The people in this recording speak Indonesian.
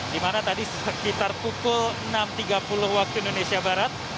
di mana tadi sekitar pukul enam tiga puluh waktu indonesia barat